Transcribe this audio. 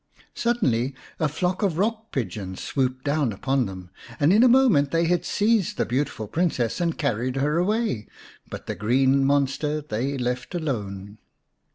Suddenly a flock of rock pigeons swooped down upon them, and in a moment they had seized the beautiful Princess and carried her away, but the green monster they left alone.